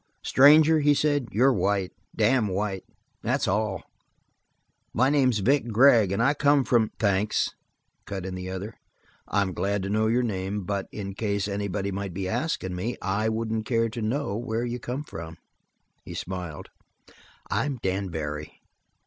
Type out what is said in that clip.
"Stranger," he said, "you're white. Damned white. That's all. My name's Vic Gregg and I come from " "Thanks," cut in the other. "I'm glad to know your name but in case anybody might be askin' me I wouldn't care to know where you come from." He smiled. "I'm Dan Barry."